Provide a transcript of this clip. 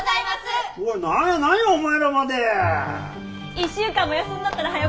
１週間も休んどったらはよ